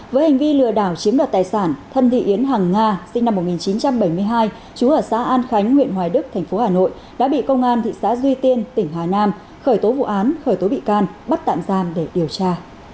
với hành vi lừa đảo chiếm đoạt tài sản thân thị yến hàng nga sinh năm một nghìn chín trăm bảy mươi hai chú ở xã an khánh huyện hoài đức thành phố hà nội đã bị công an thị xã duy tiên tỉnh hà nam khởi tố vụ án khởi tố bị can bắt tạm giam để điều tra